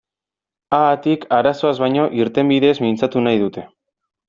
Haatik, arazoaz baino, irtenbideez mintzatu nahi dute.